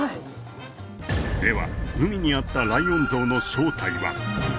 では海にあったライオン像の正体は？